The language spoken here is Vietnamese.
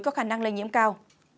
có khả năng lây nhiễm cao